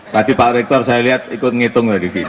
tadi pak rektor saya lihat ikut ngitung dari sini